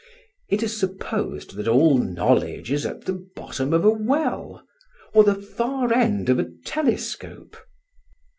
It is supposed that all knowledge is at the bottom of a well, or the far end of a telescope.